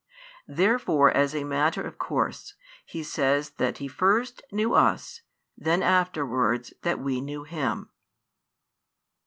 Therefore, as a matter of course, He says that He first knew us, then afterwards that we knew Him.